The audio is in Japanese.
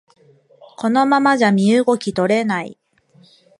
このままじゃ身動き取れない